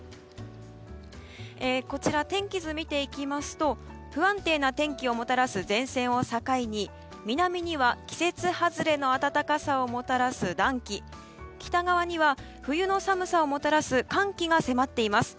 こちら、天気図見ていきますと不安定な天気をもたらす前線を境に南には季節外れの暖かさをもたらす暖気北側には冬の寒さをもたらす寒気が迫っています。